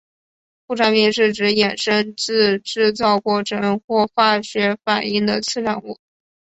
副产品是指衍生自制造过程或化学反应的次产物。